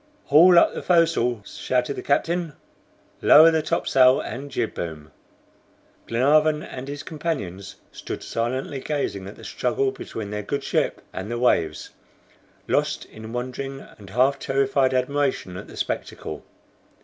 "Haul up the foresail!" shouted the captain. "Lower the topsail and jib boom!" Glenarvan and his companions stood silently gazing at the struggle between their good ship and the waves, lost in wondering and half terrified admiration at the spectacle.